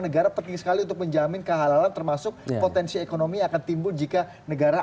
negara penting sekali untuk menjamin kehalalan termasuk potensi ekonomi akan timbul jika negara